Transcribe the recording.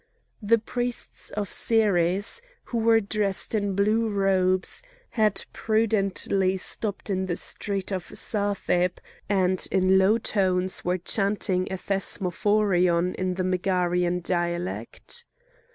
The priests of Ceres, who were dressed in blue robes, had prudently stopped in the street of Satheb, and in low tones were chanting a thesmophorion in the Megarian dialect.